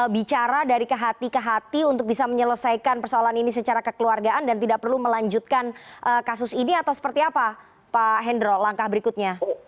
bicara dari kehatian ke hati untuk bisa menyelesaikan persoalan ini secara kekeluargaan dan tidak perlu melanjutkan kasus ini atau seperti apa pak hendro langkah berikutnya